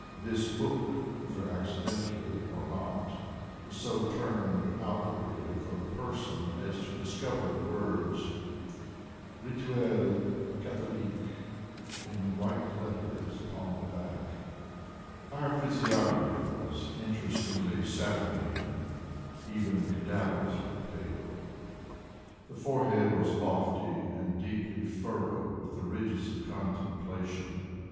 This book, whether accidentally or not, was so turned outwardly from the person as to discover the words "Rituel Catholique" in white letters upon the back. His entire physiognomy was interestingly saturnine—even cadaverously pale. The forehead was lofty, and deeply furrowed with the ridges of contemplation.